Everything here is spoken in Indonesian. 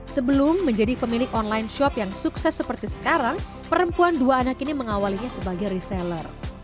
sebelum menjadi pemilik online shop yang sukses seperti sekarang perempuan dua anak ini mengawalinya sebagai reseller